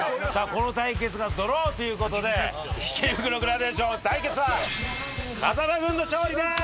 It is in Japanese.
この対決がドローということで池袋グラデーション対決は風間軍の勝利でーす！